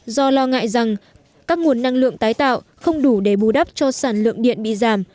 do lo ngại rằng các nguồn năng lượng tái tạo không đủ để bù đắp cho sản lượng điện bị giảm